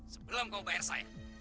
sebelum kamu bayar saya